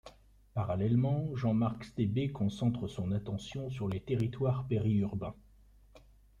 Parallèlement, Jean-Marc Stébé concentre son attention sur les territoires périurbains.